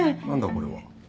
これは。